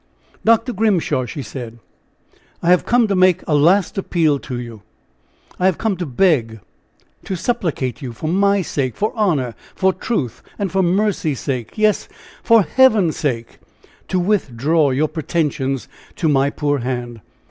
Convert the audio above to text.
"Dr. Grimshaw!" she said, "I have come to make a last appeal to you! I have come to beg, to supplicate you, for my sake, for honor, for truth and for mercy's sake, yes! for heaven's sake, to withdraw your pretensions to my poor hand.